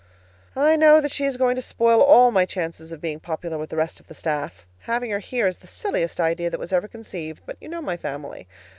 I know that she is going to spoil all my chances of being popular with the rest of the staff. Having her here is the silliest idea that was ever conceived, but you know my family.